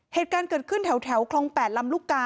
เหตุการณ์เกิดขึ้นแถวคลอง๘ลำลูกกา